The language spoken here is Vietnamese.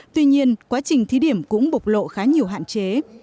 tuy nhiên quá trình thí điểm cũng bộc lộ khá nhiều hạn chế